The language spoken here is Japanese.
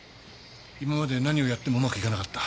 今まで何をやってもうまくいかなかった。